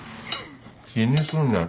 気にすんなよ。